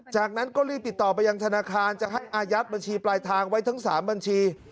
จากนั้นก็รีบติดต่อไปยังธนาคารจะให้อายัดบัญชีปลายทางไว้ทั้ง๓บัญชี